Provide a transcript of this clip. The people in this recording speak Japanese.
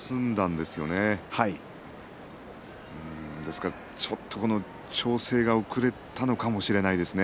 ですからちょっと調整が遅れたのかもしれないですね。